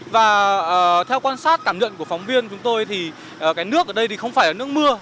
và theo quan sát cảm nhận của phóng viên chúng tôi thì cái nước ở đây thì không phải là nước mưa